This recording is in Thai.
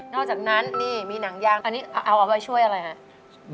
อกจากนั้นนี่มีหนังยางตอนนี้เอาไว้ช่วยอะไรฮะ